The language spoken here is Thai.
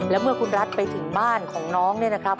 แล้วเมื่อคุณรัฐไปถึงบ้านของน้องเนี่ยนะครับ